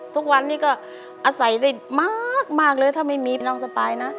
ทุกวันนี้ก็อาศัยได้มากเลยถ้าไม่มีน้องสปายนะ